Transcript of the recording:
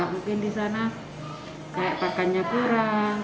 mungkin di sana kayak pakannya kurang